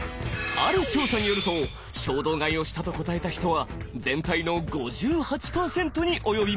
ある調査によると「衝動買いをした」と答えた人は全体の５８％に及びました。